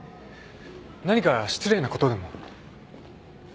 何か失礼なことでも。